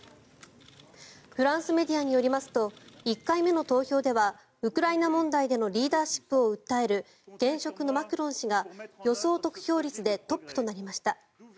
フランスメディアによりますと１回目の投票ではウクライナ問題でのリーダーシップを訴える現職のマクロン氏が予想得票率でトップとなりました。